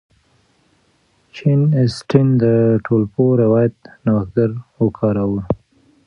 جین اسټن د ټولپوه روایت نوښتګر وکاراوه.